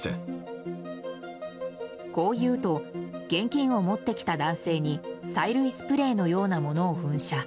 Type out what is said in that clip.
こういうと現金を持ってきた男性に催涙スプレーのようなものを噴射。